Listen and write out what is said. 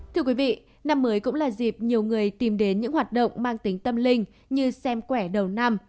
thưa quý vị năm mới cũng là dịp nhiều người tìm đến những hoạt động mang tính tâm linh như xem quẻ đầu năm